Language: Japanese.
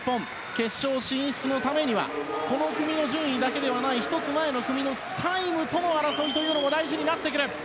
決勝進出のためにはこの組の順位だけではない１つ前の組のタイムとの争いも大事になってくる。